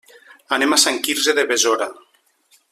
Anem a Sant Quirze de Besora.